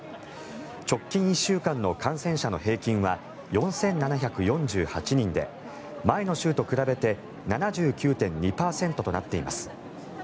直近１週間の感染者の平均は４７４８人で前の週と比べて７９．２％となっています。